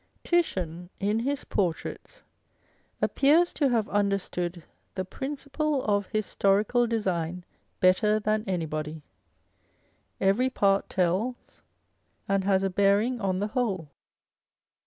Titian in his portraits appears to have understood the principle of historical design better than anybody. Every part tells, and has a bearing on the whole.